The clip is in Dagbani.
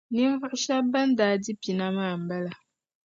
Ninvuɣ' shɛba ban daa di pina maa m-bala.